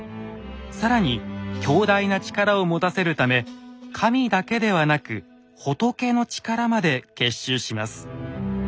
更に強大な力を持たせるため神だけではなく仏の力まで結集します。